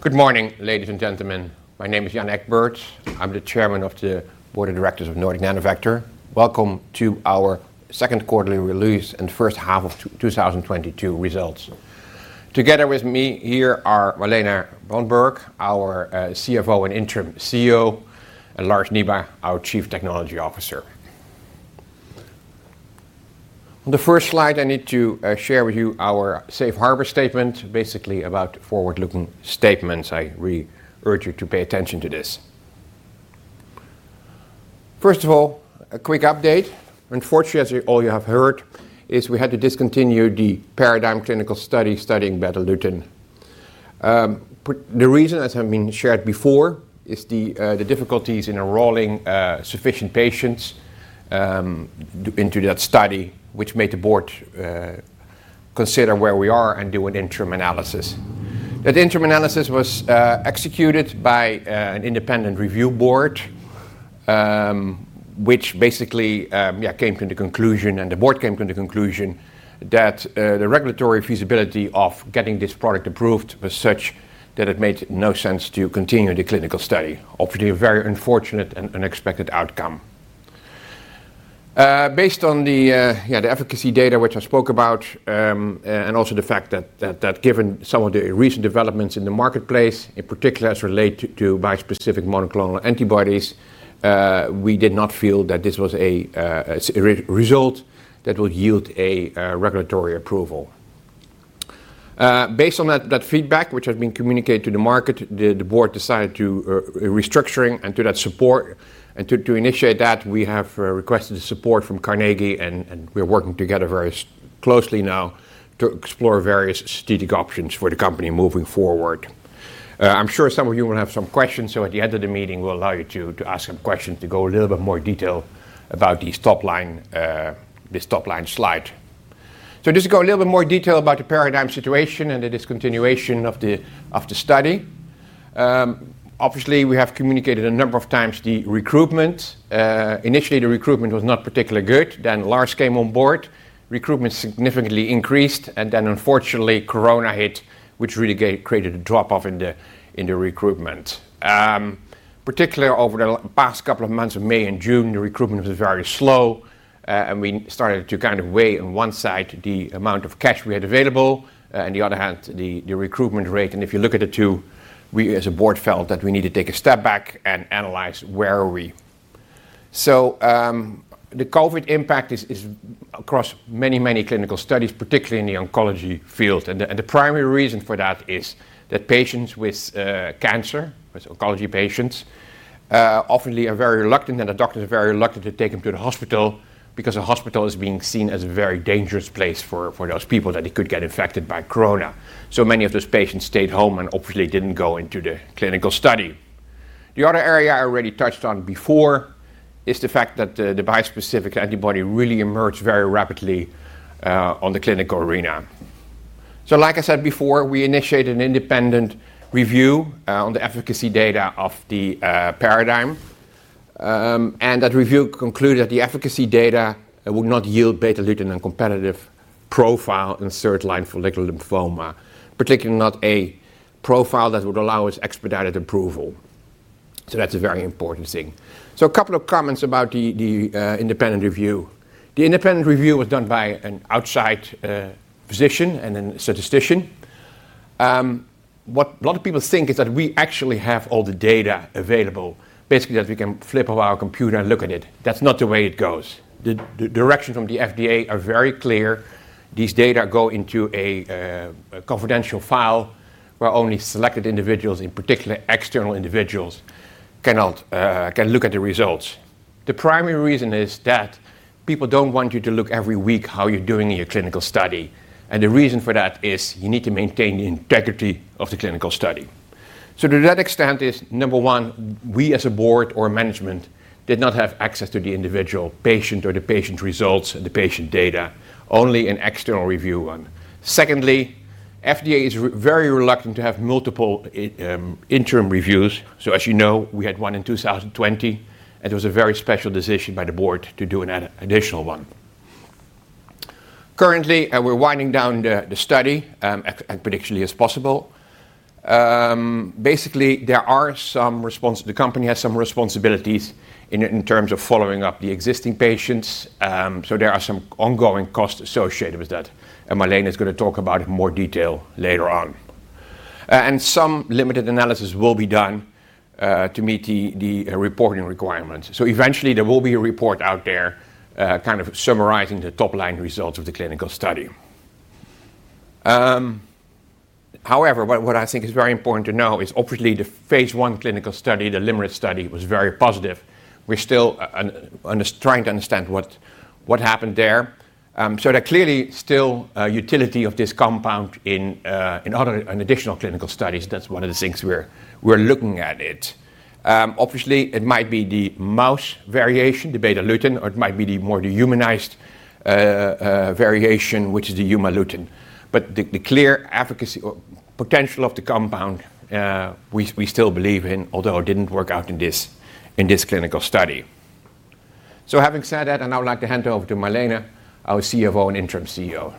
Good morning, ladies and gentlemen. My name is Jan H. Egberts. I'm the Chairman of the Board of Directors of Nordic Nanovector. Welcome to our second quarterly release and first half of 2022 results. Together with me here are Malene Brøndberg, our CFO and Interim CEO, and Lars Nieba, our Chief Technology Officer. On the first slide, I need to share with you our safe harbor statement, basically about forward-looking statements. I really urge you to pay attention to this. First of all, a quick update. Unfortunately, as you all have heard, we had to discontinue the PARADIGME clinical study studying Betalutin. The reason, as has been shared before, is the difficulties in enrolling sufficient patients into that study, which made the board consider where we are and do an interim analysis. That interim analysis was executed by an independent review board, which basically came to the conclusion and the board came to the conclusion that the regulatory feasibility of getting this product approved was such that it made no sense to continue the clinical study. Obviously, a very unfortunate and unexpected outcome. Based on the efficacy data which I spoke about, and also the fact that given some of the recent developments in the marketplace, in particular as relate to bispecific monoclonal antibodies, we did not feel that this was a result that would yield a regulatory approval. Based on that feedback which has been communicated to the market, the board decided to restructuring and to that support. To initiate that, we have requested support from Carnegie and we're working together very closely now to explore various strategic options for the company moving forward. I'm sure some of you will have some questions, so at the end of the meeting, we'll allow you to ask some questions to go a little bit more detail about these top-line, this top-line slide. Just to go a little bit more detail about the PARADIGME situation and the discontinuation of the study. Obviously we have communicated a number of times the recruitment. Initially the recruitment was not particularly good. Lars came on board, recruitment significantly increased, and then unfortunately Corona hit, which really created a drop-off in the recruitment. Particularly over the last couple of months of May and June, the recruitment was very slow, and we started to kind of weigh on one side the amount of cash we had available, and on the other hand, the recruitment rate. If you look at the two, we as a board felt that we need to take a step back and analyze where are we. The COVID impact is across many, many clinical studies, particularly in the oncology field. The primary reason for that is that patients with cancer, oncology patients, often are very reluctant and the doctors are very reluctant to take them to the hospital because the hospital is being seen as a very dangerous place for those people, that they could get infected by Corona. Many of those patients stayed home and obviously didn't go into the clinical study. The other area I already touched on before is the fact that the bispecific antibody really emerged very rapidly on the clinical arena. Like I said before, we initiated an independent review on the efficacy data of the PARADIGME. That review concluded the efficacy data will not yield Betalutin a competitive profile in third-line follicular lymphoma, particularly not a profile that would allow us expedited approval. That's a very important thing. A couple of comments about the independent review. The independent review was done by an outside physician and a statistician. What a lot of people think is that we actually have all the data available, basically that we can fire up our computer and look at it. That's not the way it goes. The direction from the FDA are very clear. These data go into a confidential file where only selected individuals, in particular external individuals, can look at the results. The primary reason is that people don't want you to look every week how you're doing in your clinical study. The reason for that is you need to maintain the integrity of the clinical study. To that extent, number one, we as a board or management did not have access to the individual patient or the patient's results and the patient data, only an external review. Secondly, FDA is very reluctant to have multiple interim reviews. As you know, we had one in 2020, and it was a very special decision by the board to do an additional one. Currently, we're winding down the study as predictably as possible. Basically, the company has some responsibilities in terms of following up the existing patients, so there are some ongoing costs associated with that, and Malene is going to talk about it in more detail later on. Some limited analysis will be done to meet the reporting requirements. Eventually there will be a report out there kind of summarizing the top-line results of the clinical study. However, what I think is very important to know is obviously the phase I clinical study, the limited study, was very positive. We're still trying to understand what happened there. There are clearly still utility of this compound in other and additional clinical studies. That's one of the things we're looking at it. Obviously it might be the mouse variation, the Betalutin, or it might be the more humanized variation, which is the Humalutin. The clear efficacy or potential of the compound, we still believe in, although it didn't work out in this clinical study. Having said that, I'd now like to hand over to Malene, our CFO and interim CEO.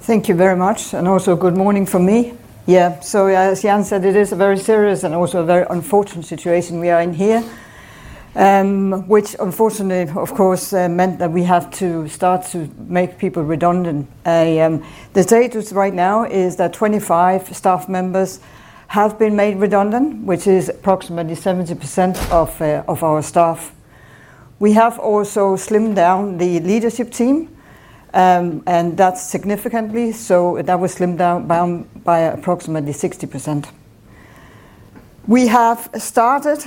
Thank you very much, and also good morning from me. Yeah, as Jan said, it is a very serious and also a very unfortunate situation we are in here, which unfortunately, of course, meant that we have to start to make people redundant. The status right now is that 25 staff members have been made redundant, which is approximately 70% of our staff. We have also slimmed down the leadership team, and that's significantly. That was slimmed down by approximately 60%. We have started,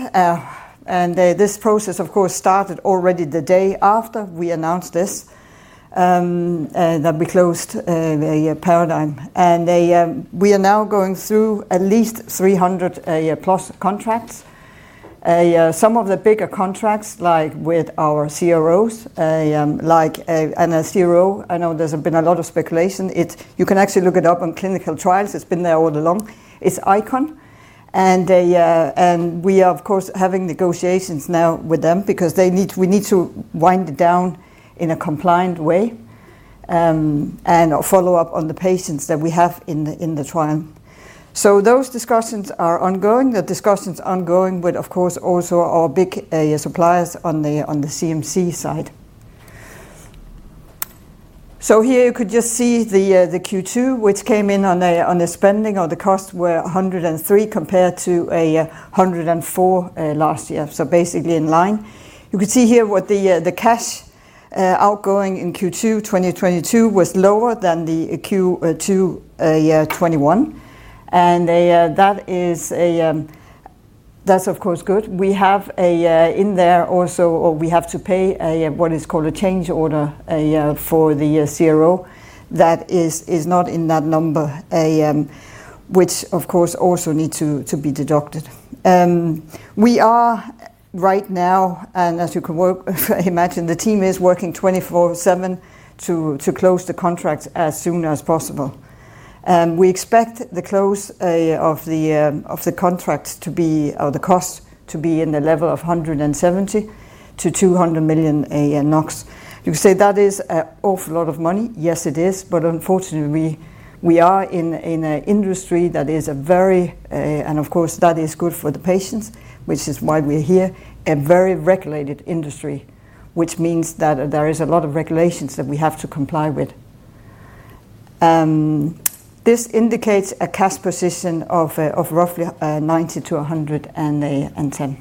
and this process of course started already the day after we announced this, that we closed the PARADIGME. We are now going through at least 300 plus contracts. Some of the bigger contracts, llike with our CROs and a CRO, I know there's been a lot of speculation. You can actually look it up on ClinicalTrials.gov. It's been there all along. It's ICON. We are, of course, having negotiations now with them because we need to wind it down in a compliant way, and follow up on the patients that we have in the trial. Those discussions are ongoing. The discussions are ongoing with, of course, also our big suppliers on the CMC side. Here you could just see the Q2, which came in on a spending or the costs were 103 compared to 104 last year. Basically in line. You could see here what the cash outgoing in Q2 2022 was lower than the Q2 2021. That is, of course, good. We have in there also or we have to pay what is called a change order for the CRO. That is not in that number, which of course also need to be deducted. We are right now, and as you can imagine, the team is working 24/7 to close the contracts as soon as possible. We expect the close of the contract to be or the cost to be in the level of 170 million–200 million NOK. You say that is an awful lot of money. Yes, it is. Unfortunately, we are in a industry that is a very, and of course, that is good for the patients, which is why we're here, a very regulated industry, which means that there is a lot of regulations that we have to comply with. This indicates a cash position of roughly 90-110.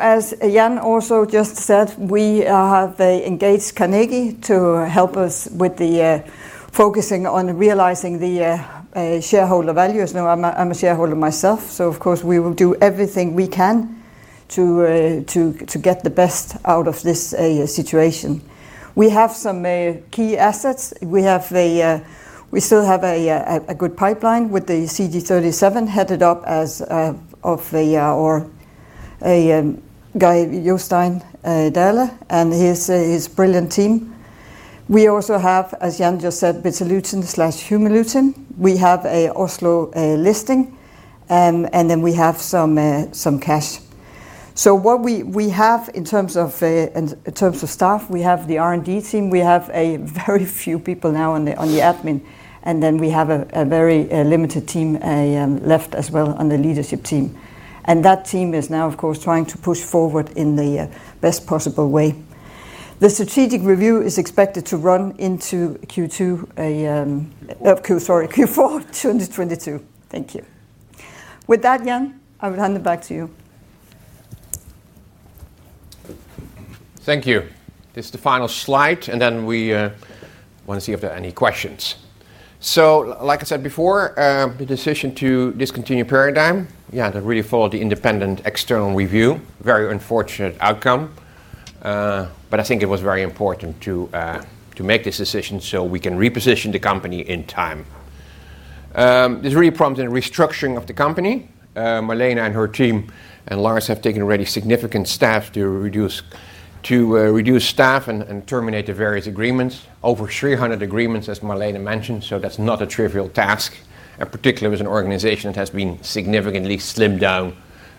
As Jan also just said, we have engaged Carnegie to help us with the focusing on realizing the shareholder value. As you know, I'm a shareholder myself, so of course, we will do everything we can to get the best out of this situation. We have some key assets. We still have a good pipeline with the CD37 headed up by our guy Jostein Dahle and his brilliant team. We also have, as Jan just said, Betalutin/Humalutin. We have an Oslo listing, and then we have some cash. What we have in terms of staff, we have the R&D team. We have a very few people now on the admin, and then we have a very limited team left as well on the leadership team. That team is now, of course, trying to push forward in the best possible way. The strategic review is expected to run into Q4 2022. Thank you. With that, Jan, I will hand it back to you. Thank you. This is the final slide, and then we want to see if there are any questions. Like I said before, the decision to discontinue PARADIGME, yeah, that really followed the independent external review. Very unfortunate outcome, but I think it was very important to make this decision so we can reposition the company in time. This really prompted a restructuring of the company. Malene and her team and Lars have already taken significant steps to reduce staff and terminate the various agreements. Over 300 agreements, as Malene mentioned, so that's not a trivial task. Particularly as an organization that has been significantly slimmed down,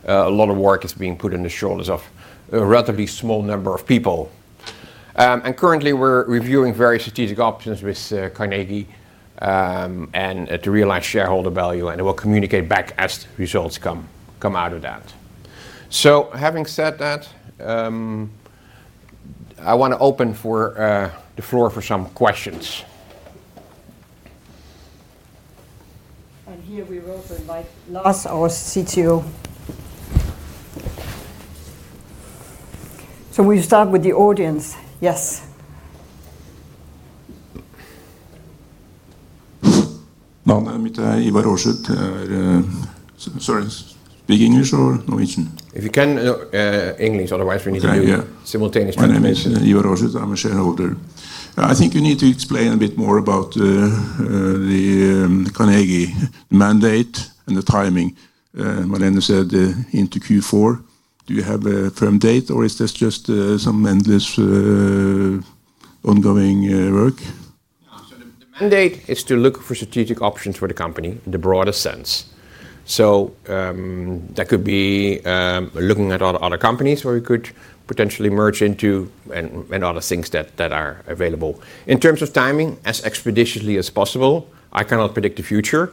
a lot of work is being put on the shoulders of a relatively small number of people. Currently, we're reviewing various strategic options with Carnegie and to realize shareholder value, and we'll communicate back as results come out of that. Having said that, I want to open the floor for some questions. Here we also invite Lars, our CTO. We start with the audience. Yes. My name is Ivar Aasrud. Speak English or Norwegian? If you can English. Otherwise, we need to do- Yeah, yeah Simultaneous translation. My name is Ivar Aasrud. I'm a shareholder. I think you need to explain a bit more about the Carnegie mandate and the timing. Malene said into Q4. Do you have a firm date, or is this just some endless ongoing work? The mandate is to look for strategic options for the company in the broadest sense. That could be looking at other companies where we could potentially merge into and other things that are available. In terms of timing, as expeditiously as possible. I cannot predict the future.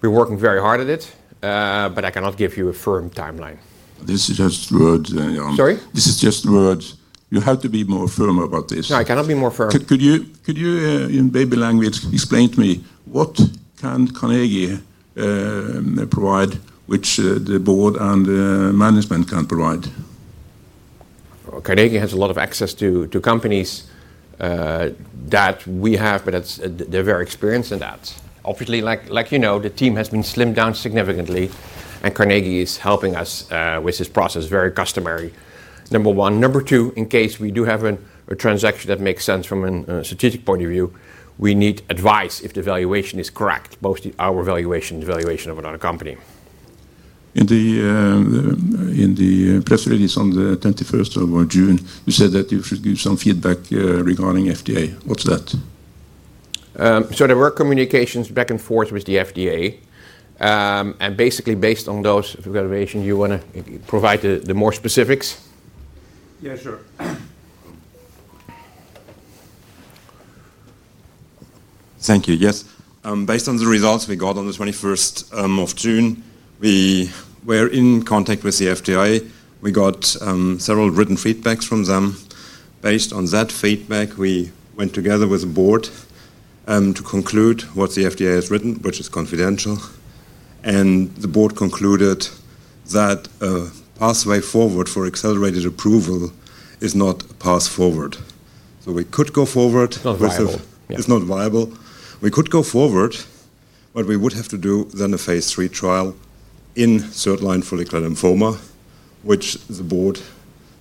We're working very hard at it, but I cannot give you a firm timeline. This is just words, Jan. Sorry? This is just words. You have to be more firm about this. No, I cannot be more firm. Could you in baby language explain to me what can Carnegie provide which the board and management can’t provide? Well, Carnegie has a lot of access to companies that we have, but it's. They are very experienced in that. Obviously, like you know, the team has been slimmed down significantly, and Carnegie is helping us with this process. Very customary, number one. Number two, in case we do have a transaction that makes sense from a strategic point of view, we need advice if the valuation is correct, both our valuation and the valuation of another company. In the press release on the 21 June, you said that you should give some feedback regarding FDA. What's that? There were communications back and forth with the FDA, and basically based on those evaluations. You want to provide the more specifics? Yeah, sure. Thank you. Yes. Based on the results we got on the 21 June, we were in contact with the FDA. We got several written feedback from them. Based on that feedback, we went together with the board to conclude what the FDA has written, which is confidential. The board concluded that a pathway forward for accelerated approval is not a path forward. We could go forward. It's not viable. Yeah. It's not viable. We could go forward, we would have to do then a phase III trial in third-line follicular lymphoma, which the board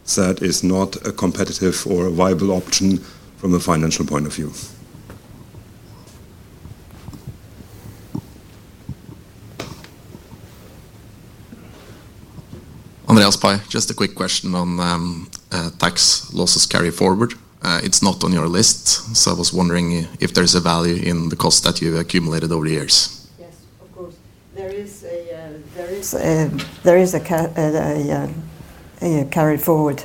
said is not a competitive or a viable option from a financial point of view. Andreas Spi. Just a quick question on tax loss carryforwards. It's not on your list, so I was wondering if there's a value in the cost that you've accumulated over the years. Yes, of course. There is a carry forward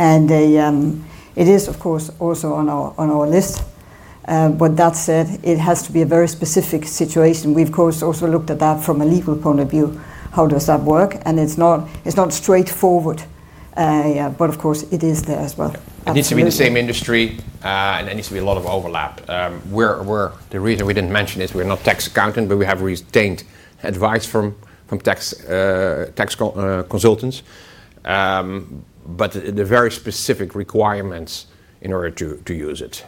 and it is of course also on our list. That said, it has to be a very specific situation. We've of course also looked at that from a legal point of view, how does that work? It's not straightforward. Of course it is there as well. Absolutely. It needs to be the same industry, and there needs to be a lot of overlap. The reason we didn't mention it is we're not tax accountants, but we have retained advice from tax consultants. There are very specific requirements in order to use it.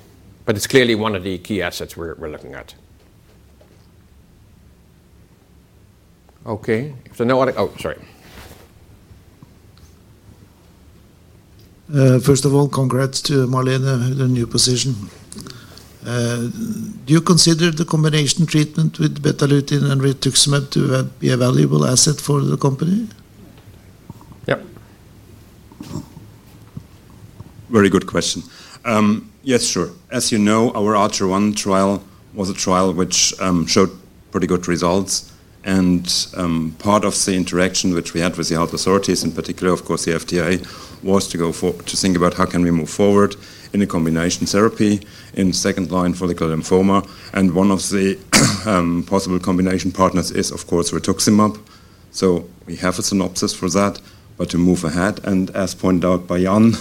It's clearly one of the key assets we're looking at. First of all, congrats to Malene on the new position. Do you consider the combination treatment with Betalutin and rituximab to be a valuable asset for the company? Yep. Very good question. Yes, sure. As you know, our Archer-1 trial was a trial which showed pretty good results and part of the interaction which we had with the health authorities in particular, of course the FDA, was to think about how can we move forward in a combination therapy in second-line follicular lymphoma and one of the possible combination partners is of course rituximab. We have a synopsis for that, but to move ahead and as pointed out by Jan,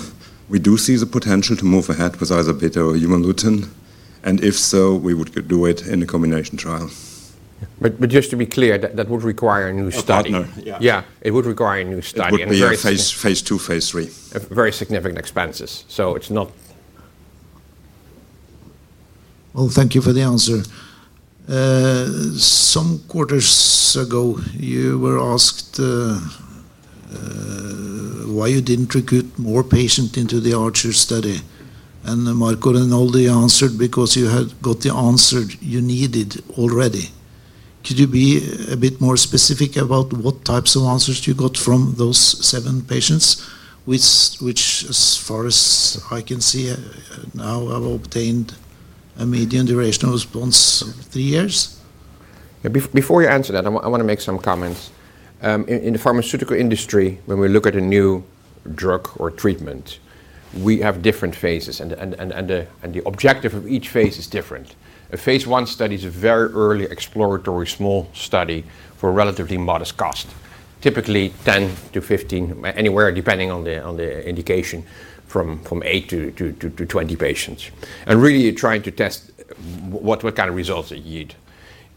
we do see the potential to move ahead with either Betalutin or Humalutin and if so, we would do it in a combination trial. Just to be clear, that would require a new study. A partner. Yeah. Yeah. It would require a new study. It would be a phase II, phase III. very significant expenses. It's not... Well, thank you for the answer. Some quarters ago, you were asked why you didn't recruit more patients into the Archer-1 study. Marco Renoldi answered, because you had got the answer you needed already. Could you be a bit more specific about what types of answers you got from those seven patients which, as far as I can see now, have obtained a median duration of response of three years? Yeah. Before you answer that, I want to make some comments. In the pharmaceutical industry, when we look at a new drug or treatment, we have different phases and the objective of each phase is different. A phase I study is a very early exploratory small study for a relatively modest cost. Typically 10-15, anywhere depending on the indication from 8 to 20 patients. Really you're trying to test what kind of results that you need.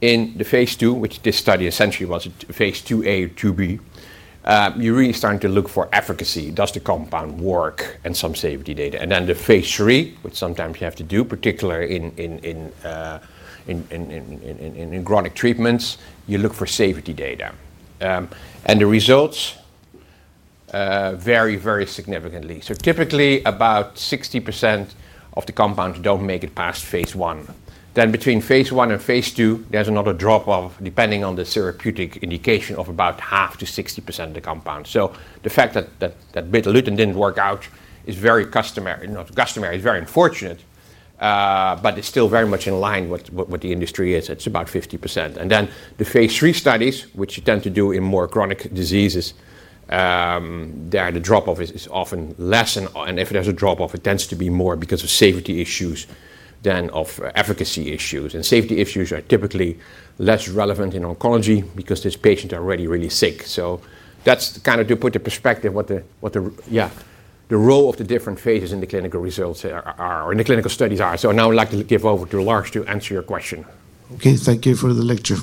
In the phase II, which this study essentially was a phase IIa or IIb, you're really starting to look for efficacy. Does the compound work? Some safety data. The phase III, which sometimes you have to do particularly in chronic treatments, you look for safety data. The results vary very significantly. Typically about 60% of the compounds don't make it past phase I. Between phase I and phase II, there's another drop of depending on the therapeutic indication of about half to 60% of the compound. The fact that Betalutin didn't work out is very unfortunate, but it's still very much in line with what the industry is. It's about 50%. The phase III studies, which you tend to do in more chronic diseases, there the drop-off is often less. If there's a drop-off, it tends to be more because of safety issues than of efficacy issues. Safety issues are typically less relevant in oncology because these patients are already really sick. That's kind of to put in perspective what the role of the different phases in the clinical results are or in the clinical studies are. Now I'd like to give over to Lars to answer your question. Okay, thank you for the lecture.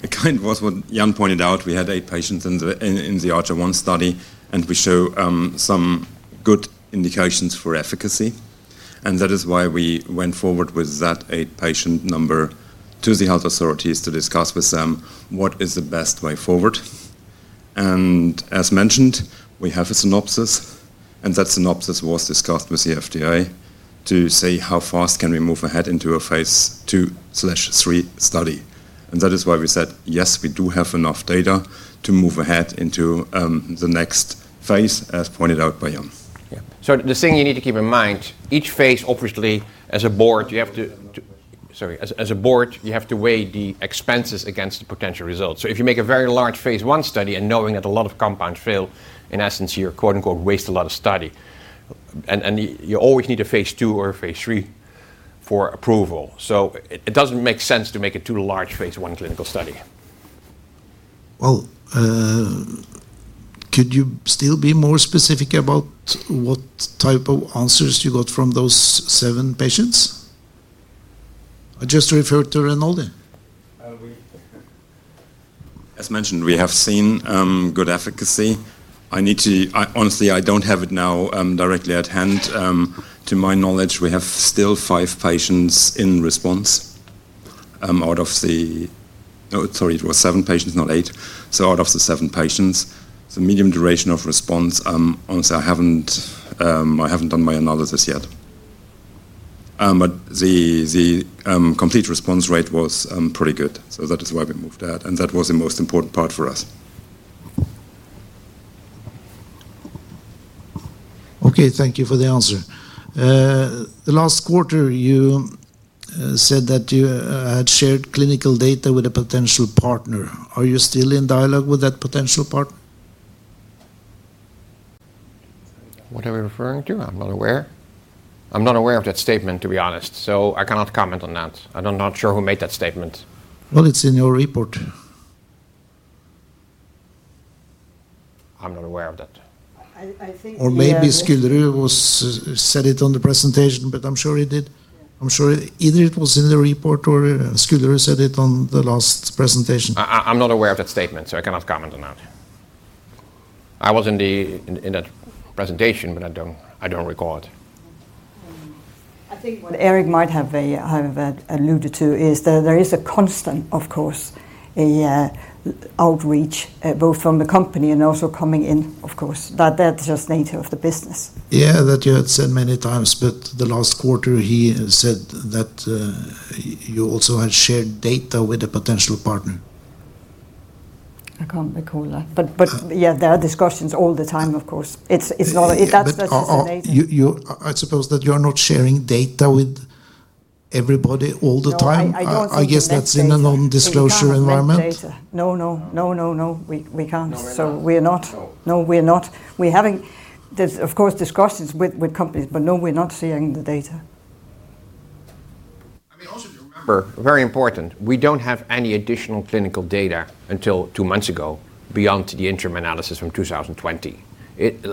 It kind of was what Jan pointed out. We had eight patients in the Archer-1 study, and we show some good indications for efficacy. That is why we went forward with that eight patient number to the health authorities to discuss with them what is the best way forward. As mentioned, we have a synopsis, and that synopsis was discussed with the FDA to say how fast can we move ahead into a phase II/III study. That is why we said, yes, we do have enough data to move ahead into the next phase, as pointed out by Jan. Yeah. The thing you need to keep in mind, each phase obviously, as a board, you have to weigh the expenses against the potential results. If you make a very large phase I study and knowing that a lot of compounds fail, in essence you're quote-unquote wasting a lot of studies. You always need a phase II or a phase III for approval. It doesn't make sense to make it too large phase I clinical study. Well, could you still be more specific about what type of answers you got from those seven patients? I just referred to Renoldi. As mentioned, we have seen good efficacy. I honestly don't have it now directly at hand. To my knowledge, we have still five patients in response. Oh, sorry. It was seven patients, not eight. Out of the seven patients, the median duration of response. Honestly, I haven't done my analysis yet. The complete response rate was pretty good, so that is why we moved ahead, and that was the most important part for us. Okay, thank you for the answer. The last quarter you said that you had shared clinical data with a potential partner. Are you still in dialogue with that potential partner? What are we referring to? I'm not aware. I'm not aware of that statement, to be honest, so I cannot comment on that, and I'm not sure who made that statement. Well, it's in your report. I'm not aware of that. I think. Maybe Skullerud said it on the presentation, but I'm sure he did. I'm sure either it was in the report or Skullerud said it on the last presentation. I'm not aware of that statement, so I cannot comment on that. I was in that presentation, but I don't recall it. I think what Erik might have alluded to is that there is a constant, of course, outreach both from the company and also coming in, of course. That's just nature of the business. Yeah, that you had said many times, but the last quarter he said that, you also had shared data with a potential partner. I can't recall that. Yeah, there are discussions all the time, of course. It's all. If that's I suppose that you are not sharing data with everybody all the time. No, I don't think. I guess that's in a non-disclosure environment. We can't collect data. No. We can't. No, we don't. We're not. No. No, we're not. There's of course discussions with companies, but no, we're not sharing the data. I mean, also to remember, very important, we don't have any additional clinical data until two months ago beyond the interim analysis from 2020.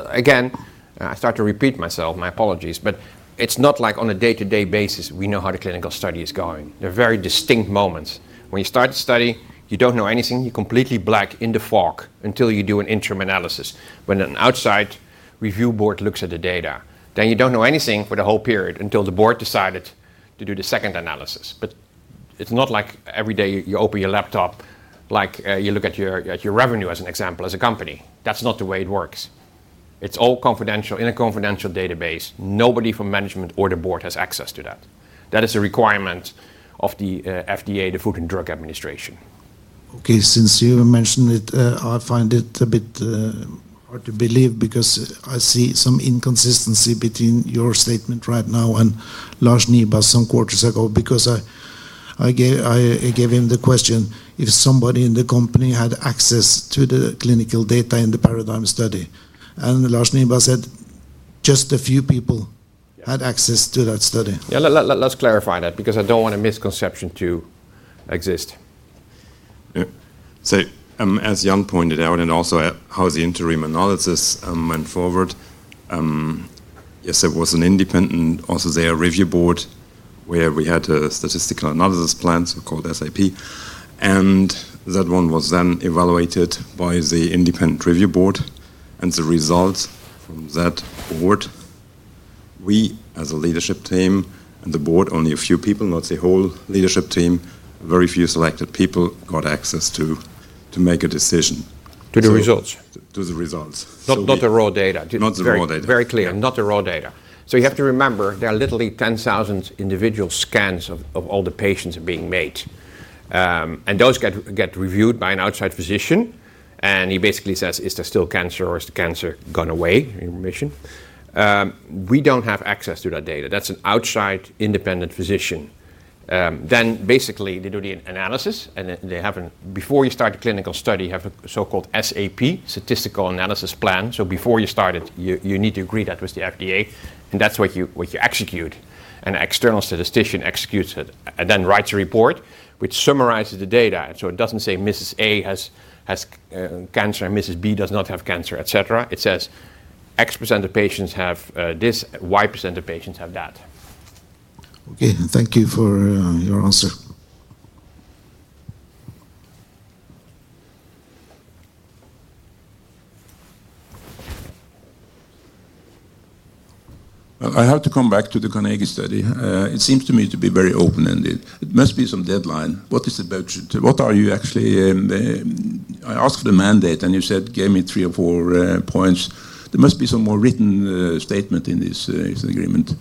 Again, I start to repeat myself, my apologies, but it's not like on a day-to-day basis we know how the clinical study is going. There are very distinct moments. When you start the study, you don't know anything. You're completely black in the fog until you do an interim analysis when an outside review board looks at the data. Then you don't know anything for the whole period until the board decided to do the second analysis. It's not like every day you open your laptop, like, you look at your revenue as an example as a company. That's not the way it works. It's all confidential in a confidential database. Nobody from management or the board has access to that. That is a requirement of the FDA, the Food and Drug Administration. Okay. Since you mentioned it, I find it a bit hard to believe because I see some inconsistency between your statement right now and Lars Nieba, some quarters ago because I gave him the question if somebody in the company had access to the clinical data in the PARADIGME study. Lars Nieba said just a few people had access to that study. Yeah. Let's clarify that because I don't want a misconception to exist. Yeah, as Jan pointed out and also how the interim analysis went forward, yes, there was an independent review board where we had a Statistical Analysis Plan, so-called SAP. That one was then evaluated by the independent review board, and the results from that board, we as a leadership team and the board, only a few people, not the whole leadership team, very few selected people got access to make a decision. To the results. To the results. Not the raw data. Not the raw data. Very clear. Not the raw data. You have to remember, there are literally 10,000 individual scans of all the patients being made. And those get reviewed by an outside physician. He basically says, "Is there still cancer or is the cancer gone away?" In remission. We don't have access to that data. That's an outside independent physician. Basically they do the analysis. Before you start a clinical study, you have a so-called SAP, Statistical Analysis Plan. Before you start it, you need to agree that with the FDA, and that's what you execute. An external statistician executes it and then writes a report which summarizes the data. It doesn't say Mrs. A has cancer and Mrs. B does not have cancer, et cetera. It says X% of patients have this, Y% of patients have that. Okay. Thank you for your answer. I have to come back to the Carnegie study. It seems to me to be very open-ended. There must be some deadline. What are you actually? I asked the mandate, and you said gave me three or four points. There must be some more written statement in this agreement.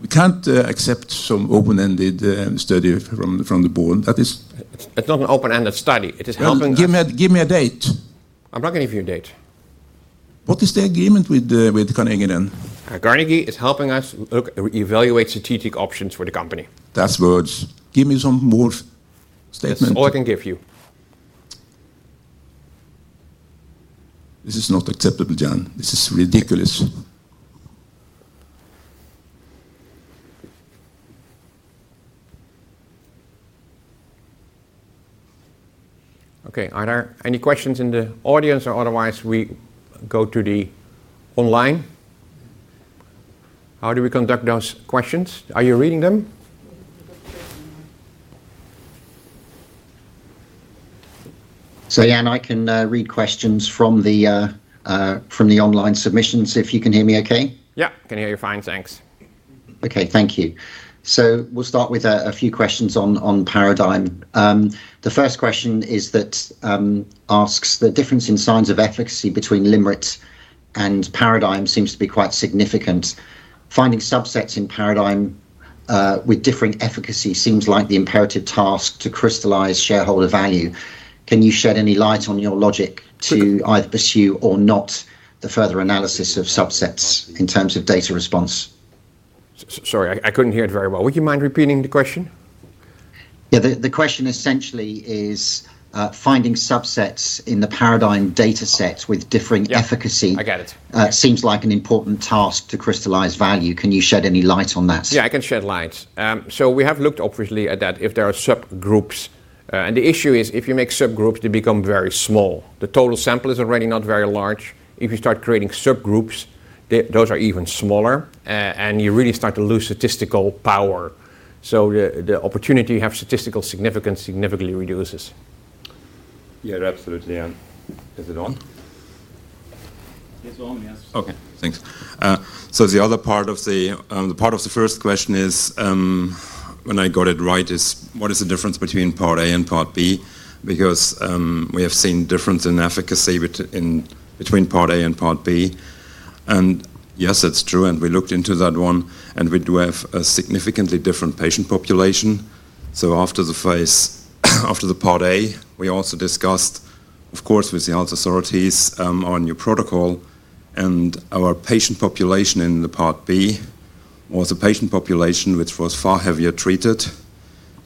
We can't accept some open-ended study from the board. That is. It's not an open-ended study. It is helping us. Well, give me a date. I'm not giving you a date. What is the agreement with Carnegie then? Carnegie is helping us evaluate strategic options for the company. That's words. Give me some more statement. That's all I can give you. This is not acceptable, Jan. This is ridiculous. Okay. Are there any questions in the audience? Or otherwise we go to the online. How do we conduct those questions? Are you reading them? Jan, I can read questions from the online submissions, if you can hear me okay. Yeah. I can hear you fine, thanks. Okay, thank you. We'll start with a few questions on PARADIGME. The first question is that asks the difference in signs of efficacy between Lymrit and PARADIGME seems to be quite significant. Finding subsets in PARADIGME with differing efficacy seems like the imperative task to crystallize shareholder value. Can you shed any light on your logic to either pursue or not the further analysis of subsets in terms of data response? Sorry, I couldn't hear it very well. Would you mind repeating the question? Yeah. The question essentially is finding subsets in the PARADIGME data sets with differing efficacy. Yeah. I got it. Seems like an important task to crystallize value. Can you shed any light on that? Yeah, I can shed light. We have looked obviously at that, if there are subgroups. The issue is if you make subgroups, they become very small. The total sample is already not very large. If you start creating subgroups, those are even smaller and you really start to lose statistical power. The opportunity to have statistical significance significantly reduces. Yeah. Absolutely, Jan. Is it on? It's on, yes. Okay. Thanks. The other part of the first question is, if I got it right, is: what is the difference between part A and part B? Because, we have seen difference in efficacy in between part A and part B. Yes, it's true, and we looked into that one, and we do have a significantly different patient population. After the part A, we also discussed of course with the health authorities, our new protocol, and our patient population in the part B was a patient population which was far more heavily treated.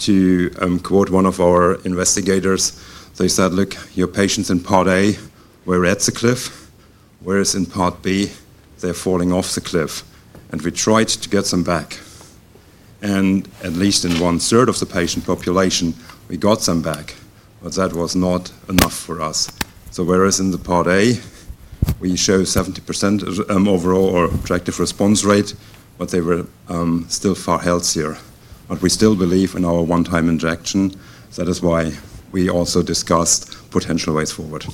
To quote one of our investigators, they said, "Look, your patients in part A were at the cliff, whereas in part B, they're falling off the cliff." We tried to get some back, and at least in one-third of the patient population, we got some back. That was not enough for us. Whereas in part A, we show 70% overall or objective response rate, but they were still far healthier. We still believe in our one-time injection. That is why we also discussed potential ways forward.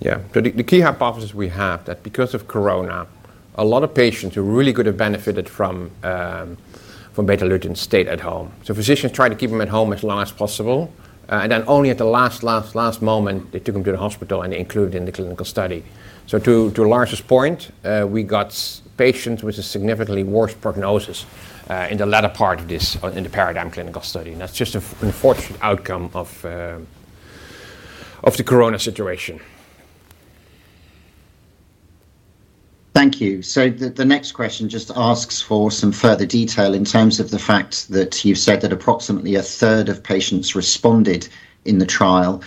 Yeah. The key hypothesis we have that because of corona, a lot of patients who really could have benefited from Betalutin stayed at home. Physicians tried to keep them at home as long as possible, and then only at the last moment they took them to the hospital and included in the clinical study. To Lars's point, we got patients with a significantly worse prognosis in the latter part of this in the PARADIGME clinical study. That's just an unfortunate outcome of the corona situation. Thank you. The next question just asks for some further detail in terms of the fact that you've said that approximately a third of patients responded in the trial.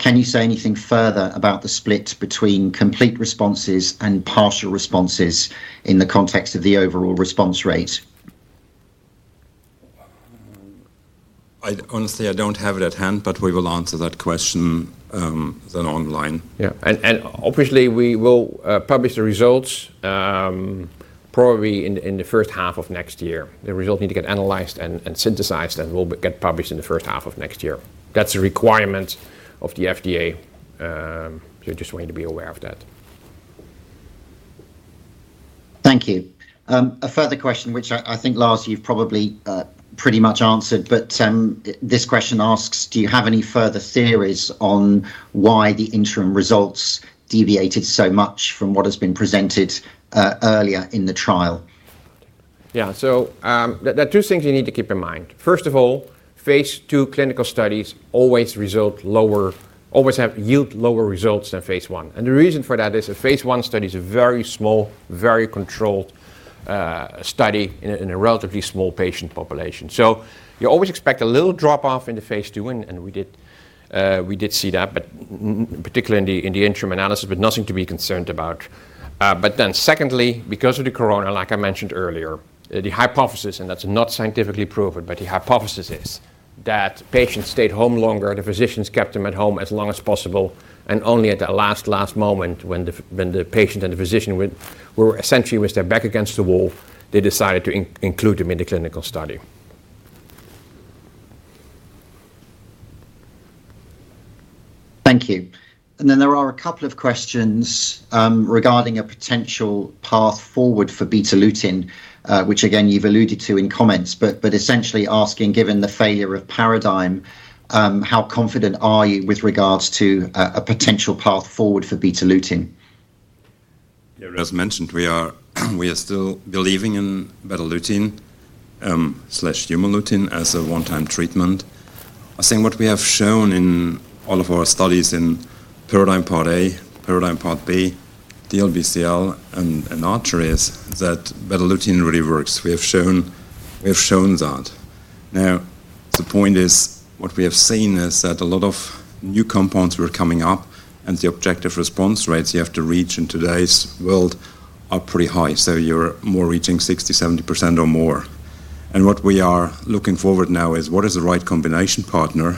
Can you say anything further about the split between complete responses and partial responses in the context of the overall response rate? Honestly, I don't have it at hand, but we will answer that question then online. Yeah. Obviously we will publish the results probably in the first half of next year. The results need to get analyzed and synthesized, and will get published in the first half of next year. That's a requirement of the FDA, so just want you to be aware of that. Thank you. A further question which I think, Lars, you've probably pretty much answered, but this question asks, do you have any further theories on why the interim results deviated so much from what has been presented earlier in the trial? Yeah. There are two things you need to keep in mind. First of all, phase II clinical studies always will yield lower results than phase I. The reason for that is a phase I study is a very small, very controlled study in a relatively small patient population. You always expect a little drop-off in the phase II and we did see that, but particularly in the interim analysis, but nothing to be concerned about. Secondly, because of the corona, like I mentioned earlier, the hypothesis, and that's not scientifically proven, but the hypothesis is that patients stayed home longer, the physicians kept them at home as long as possible, and only at the last moment when the patient and the physician were essentially with their back against the wall, they decided to include them in the clinical study. Thank you. There are a couple of questions regarding a potential path forward for Betalutin, which again you've alluded to in comments, but essentially asking, given the failure of PARADIGME, how confident are you with regards to a potential path forward for Betalutin? Yeah. As mentioned, we are still believing in Betalutin/Humalutin as a one-time treatment. I think what we have shown in all of our studies in PARADIGME Part A, PARADIGME Part B, DLBCL and Archer-1 is that Betalutin really works. We have shown that. Now, the point is what we have seen is that a lot of new compounds were coming up, and the objective response rates you have to reach in today's world are pretty high. You're more reaching 60%, 70% or more. What we are looking forward now is what is the right combination partner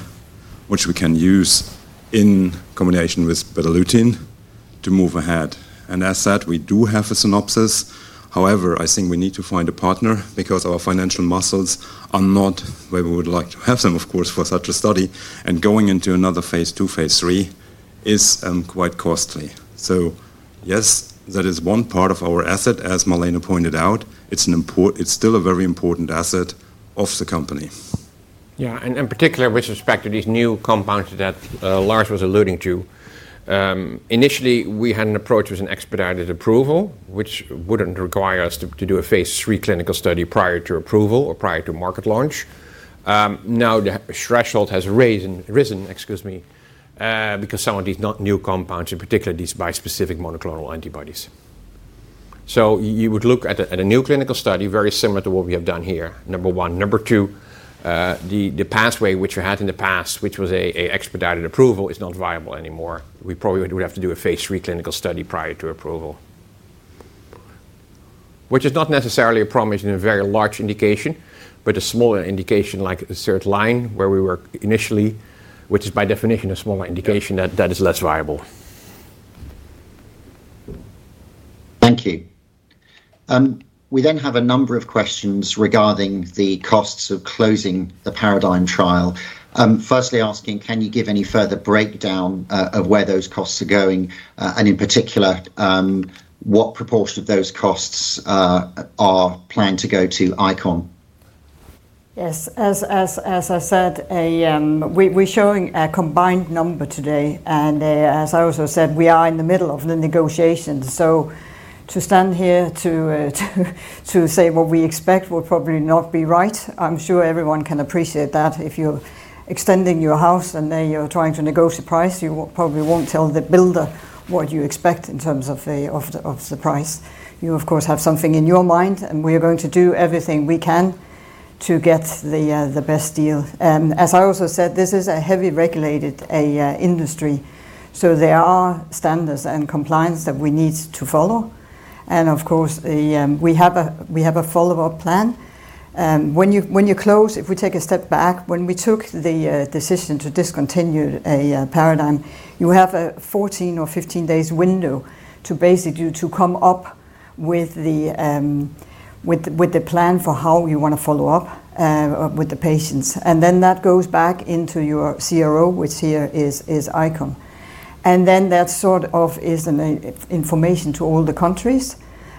which we can use in combination with Betalutin to move ahead. As said, we do have a synopsis. However, I think we need to find a partner because our financial muscles are not where we would like to have them, of course, for such a study, and going into another phase II, phase III is quite costly. Yes, that is one part of our asset. As Malene pointed out, it's still a very important asset of the company. In particular, with respect to these new compounds that Lars Nieba was alluding to, initially we had an approach with an expedited approval, which wouldn't require us to do a phase III clinical study prior to approval or prior to market launch. Now the threshold has risen because some of these novel compounds, in particular these bispecific monoclonal antibodies. You would look at a new clinical study very similar to what we have done here, number one. Number two, the pathway which we had in the past, which was an expedited approval is not viable anymore. We probably would have to do a phase III clinical study prior to approval. Which is not necessarily a problem in a very large indication, but a smaller indication like third-line where we were initially, which is by definition a smaller indication. Yeah that is less viable. Thank you. We have a number of questions regarding the costs of closing the PARADIGME trial. Firstly asking, can you give any further breakdown of where those costs are going? In particular, what proportion of those costs are planned to go to ICON? Yes. As I said, we're showing a combined number today, and as I also said, we are in the middle of the negotiations. To stand here to say what we expect would probably not be right. I'm sure everyone can appreciate that. If you're extending your house and then you're trying to negotiate price, you probably won't tell the builder what you expect in terms of the price. You of course have something in your mind, and we're going to do everything we can to get the best deal. As I also said, this is a heavily regulated industry, so there are standards and compliance that we need to follow. Of course, we have a follow-up plan. When you close, if we take a step back, when we took the decision to discontinue PARADIGME, you have a 14 or 15 days window to basically come up with the plan for how you want to follow up with the patients. Then that goes back into your CRO, which here is ICON. Then that sort of is an information to all the countries,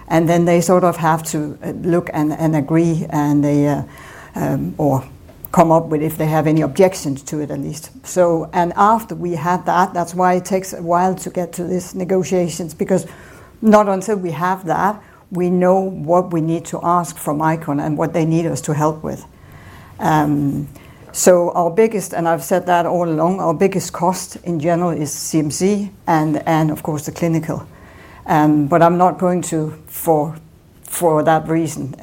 and then they sort of have to look and agree, or come up with if they have any objections to it at least. After we had that's why it takes a while to get to these negotiations, because not until we have that, we know what we need to ask from ICON and what they need us to help with. Our biggest cost in general is CMC and of course the clinical. I'm not going to, for that reason,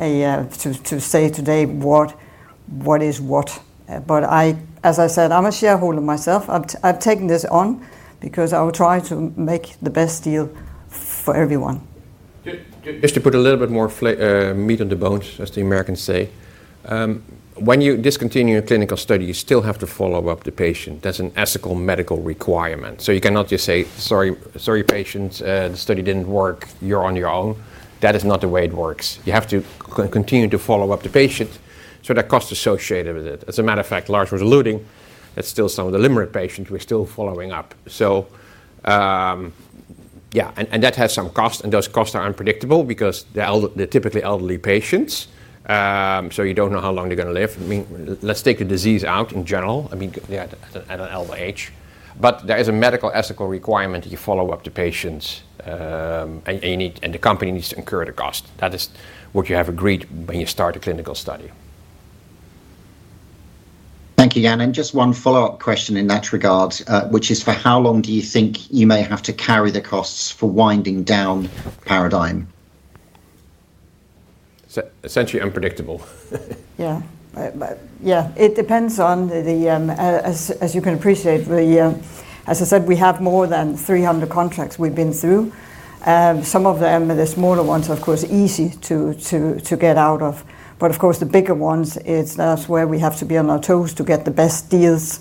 say today what is what. As I said, I'm a shareholder myself. I've taken this on because I will try to make the best deal for everyone. Just to put a little bit more meat on the bones, as the Americans say, when you discontinue a clinical study, you still have to follow up the patient. That's an ethical medical requirement. You cannot just say, "Sorry, sorry, patient, the study didn't work. You're on your own." That is not the way it works. You have to continue to follow up the patient, so there are costs associated with it. As a matter of fact, Lars was alluding that still some of the Lymrit patients we're still following up. Yeah. That has some cost, and those costs are unpredictable because they're typically elderly patients. You don't know how long they're going to live. I mean, let's take the disease out in general. I mean, they are at an elder age. There is a medical-ethical requirement that you follow up the patients, and the company needs to incur the cost. That is what you have agreed when you start a clinical study. Thank you, Jan. Just one follow-up question in that regard, which is for how long do you think you may have to carry the costs for winding down PARADIGME? Essentially unpredictable. As I said, we have more than 300 contracts we've been through. Some of them, the smaller ones are of course easy to get out of, but of course the bigger ones, that's where we have to be on our toes to get the best deals.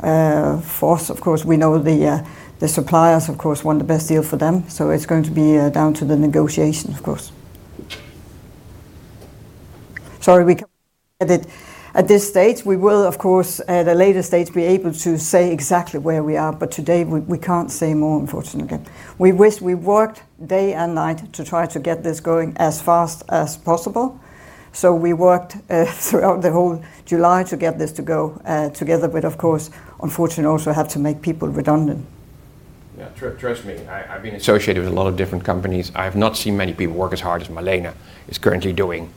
For us of course, we know the suppliers of course want the best deal for them, so it's going to be down to the negotiation of course. Sorry, we can't go into it at this stage. We will of course at a later stage be able to say exactly where we are, but today we can't say more unfortunately. We worked day and night to try to get this going as fast as possible. We worked throughout the whole July to get this to go together. Of course, unfortunately also had to make people redundant. Yeah. Trust me, I've been associated with a lot of different companies. I have not seen many people work as hard as Malene is currently doing,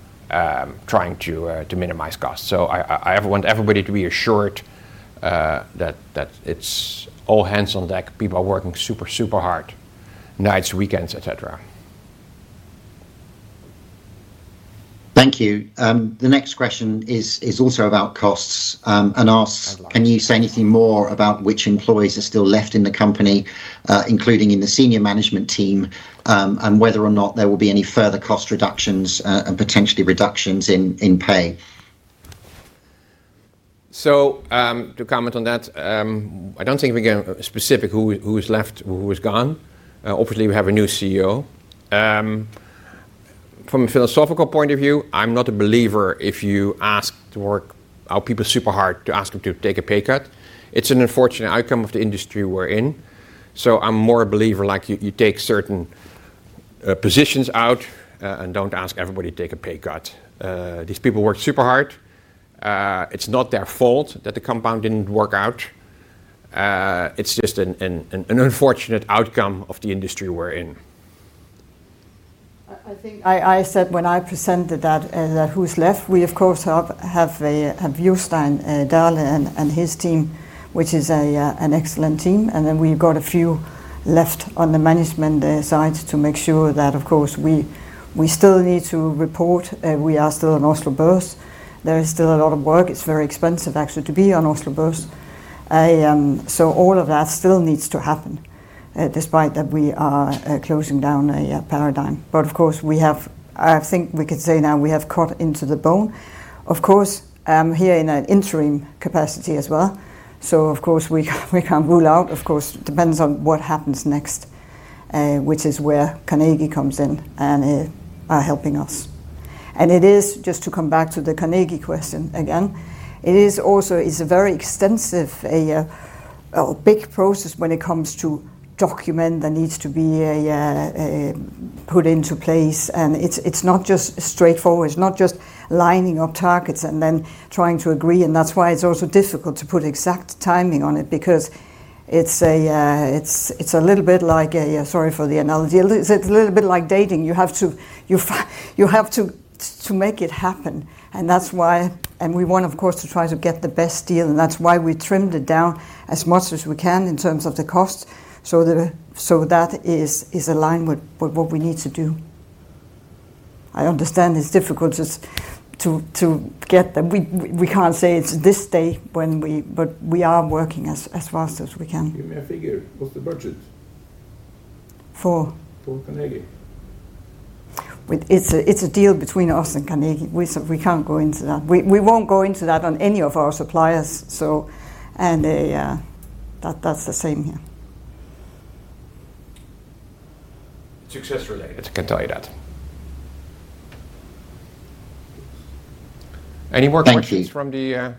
trying to minimize costs. I want everybody to be assured that it's all hands on deck. People are working super hard. Nights, weekends, et cetera. Thank you. The next question is also about costs, and asks. I'd like to say something. Can you say anything more about which employees are still left in the company, including in the senior management team, and whether or not there will be any further cost reductions, and potentially reductions in pay? To comment on that, I don't think we can go specific who is, who is left, who is gone. Obviously we have a new CEO. From a philosophical point of view, I'm not a believer if you ask to work our people super hard to ask them to take a pay cut. It's an unfortunate outcome of the industry we're in, so I'm more a believer, like you take certain, positions out, and don't ask everybody to take a pay cut. These people work super hard. It's not their fault that the compound didn't work out. It's just an unfortunate outcome of the industry we're in. I think I said when I presented that, who's left, we of course have Jostein Dahle and his team, which is an excellent team. Then we've got a few left on the management side to make sure that, of course we still need to report, we are still on Oslo Børs. There is still a lot of work. It's very expensive actually to be on Oslo Børs. So all of that still needs to happen, despite that we are closing down PARADIGME. Of course we have. I think we could say now we have cut into the bone. Of course, I'm here in an interim capacity as well, so of course we can rule it out. Of course it depends on what happens next, which is where Carnegie comes in and are helping us. It is, just to come back to the Carnegie question again, it is also a very extensive, a big process when it comes to documents that need to be put into place. It's not just straightforward. It's not just lining up targets and then trying to agree, and that's why it's also difficult to put exact timing on it because it's a little bit like, sorry for the analogy. It's a little bit like dating. You have to make it happen and that's why. We want of course to try to get the best deal, and that's why we trimmed it down as much as we can in terms of the cost, so that is aligned with what we need to do. I understand it's difficult just to get the. We can't say it's this day when we. We are working as fast as we can. Give me a figure. What's the budget? For? For Carnegie. It's a deal between us and Carnegie. We can't go into that. We won't go into that on any of our suppliers. That's the same here. Success-related, I can tell you that. Any more questions? Thank you.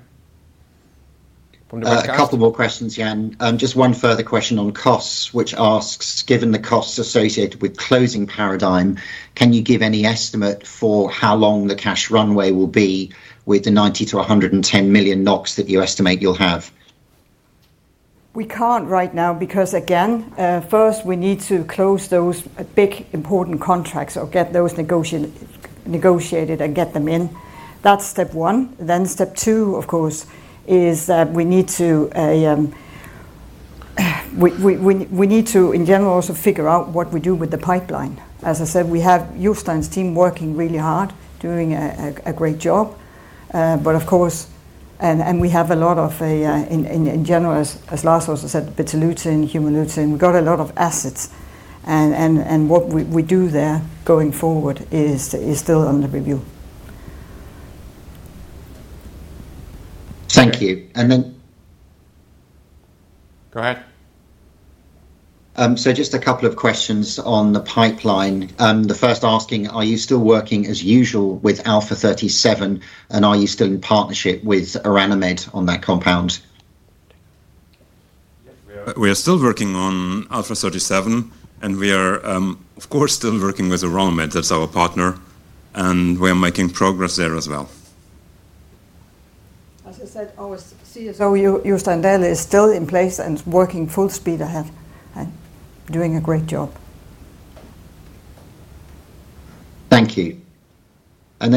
from the webcast? A couple more questions, Jan. Just one further question on costs, which asks, given the costs associated with closing PARADIGME, can you give any estimate for how long the cash runway will be with the 90 million–110 million NOK that you estimate you'll have? We can't right now because again, first we need to close those big important contracts or get those negotiated and get them in. That's step one. Step two, of course, is that we need to in general also figure out what we do with the pipeline. As I said, we have Jostein's team working really hard, doing a great job. Of course, we have a lot of in general as Lars also said, Betalutin, Humalutin. We've got a lot of assets and what we do there going forward is still under review. Thank you. Go ahead. Just a couple of questions on the pipeline. The first asking, are you still working as usual with Alpha37, and are you still in partnership with Orano Med on that compound? Yes, we are. We are still working on Alpha37, and we are, of course, still working with Orano Med. That's our partner, and we are making progress there as well. As I said, our CSO, Jostein Dahle, is still in place and working full speed ahead and doing a great job. Thank you.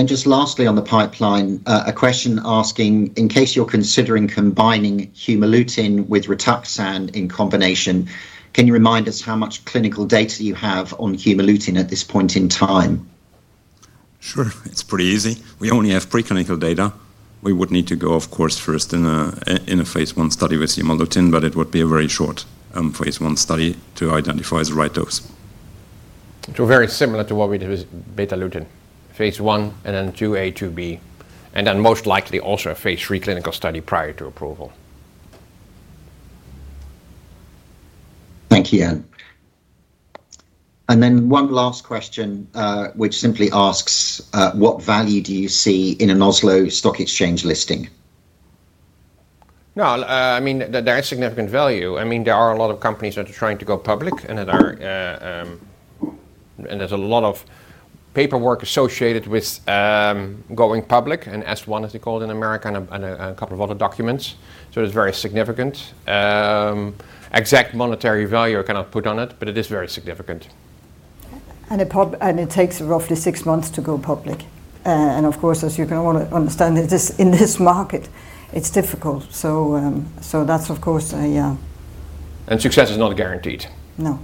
Just lastly on the pipeline, a question asking, in case you're considering combining Humalutin with Rituxan in combination, can you remind us how much clinical data you have on Humalutin at this point in time? Sure. It's pretty easy. We only have preclinical data. We would need to go, of course, first in a phase I study with Humalutin, but it would be a very short phase I study to identify the right dose. Very similar to what we did with Betalutin, phase I and then 2A, 2B, and then most likely also a phase III clinical study prior to approval. Thank you. One last question, which simply asks, what value do you see in an Oslo Stock Exchange listing? No, I mean, there is significant value. I mean, there are a lot of companies that are trying to go public and there's a lot of paperwork associated with going public and S-1, as they call it in America, and a couple of other documents. So it's very significant. Exact monetary value I cannot put on it, but it is very significant. It takes roughly six months to go public. Of course, as you can well understand it, this in this market it's difficult. That's of course a Success is not guaranteed. No.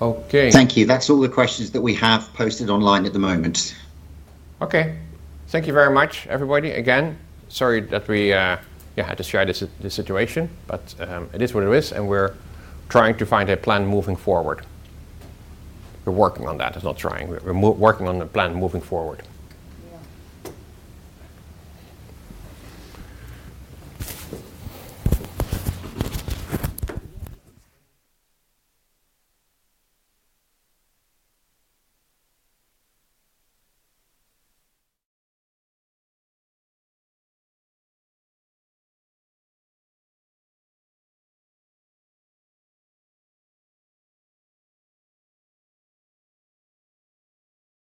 Okay. Thank you. That's all the questions that we have posted online at the moment. Okay. Thank you very much, everybody. Again, sorry that we had to share this situation, but it is what it is, and we're working on the plan moving forward. We're working on that. Yeah.